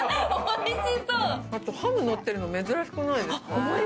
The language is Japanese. ハムのってるの珍しくないですか。